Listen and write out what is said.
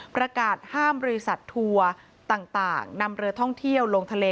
ประกาศห้ามบริษัททัวร์ต่างนำเรือท่องเที่ยวลงทะเล